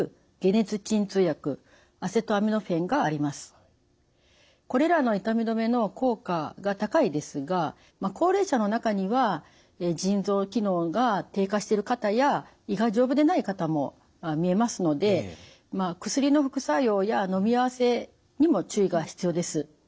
主にはこれらの痛み止めの効果が高いですが高齢者の中には腎臓機能が低下してる方や胃が丈夫でない方もみえますので薬の副作用やのみ合わせにも注意が必要です。